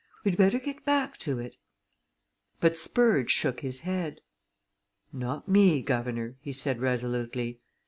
We'd better get back to it." But Spurge shook his head. "Not me, guv'nor!" he said resolutely.